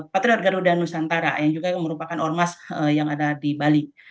patriot garuda nusantara yang juga merupakan ormas yang ada di bali